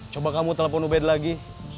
coba kamu telepon ubed lagi